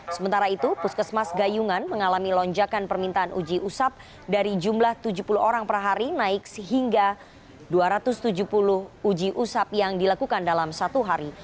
sementara itu puskesmas gayungan mengalami lonjakan permintaan uji usap dari jumlah tujuh puluh orang per hari naik sehingga dua ratus tujuh puluh uji usap yang dilakukan dalam satu hari